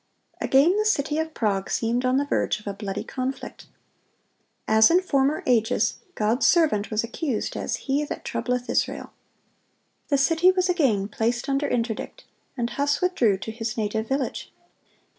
Again the city of Prague seemed on the verge of a bloody conflict. As in former ages, God's servant was accused as "he that troubleth Israel."(132) The city was again placed under interdict, and Huss withdrew to his native village.